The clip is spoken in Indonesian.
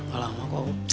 kalau lama kok